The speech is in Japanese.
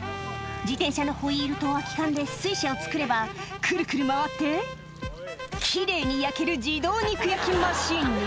自転車のホイールと空き缶で水車をつくれば、くるくる回って、きれいに焼ける自動肉焼きマシンに。